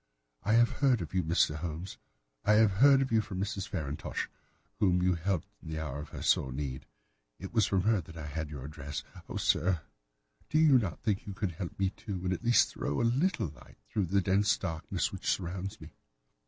I have heard of you, Mr. Holmes; I have heard of you from Mrs. Farintosh, whom you helped in the hour of her sore need. It was from her that I had your address. Oh, sir, do you not think that you could help me, too, and at least throw a little light through the dense darkness which surrounds me?